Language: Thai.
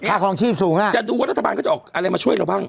คลองชีพสูงอ่ะจะดูว่ารัฐบาลก็จะออกอะไรมาช่วยเราบ้าง